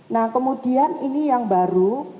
nah kemudian ini yang baru